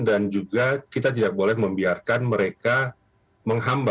dan juga kita tidak boleh membiarkan mereka